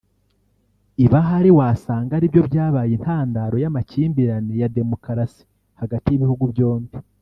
Ibi ahari wasanga ari byo byabaye intandaro y’amakimbirane ya demukarasi hagati y’ibihugu byombi